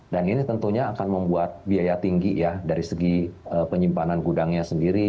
dan ini tentunya akan membuat biaya tinggi ya dari segi penyimpanan gudangnya sendiri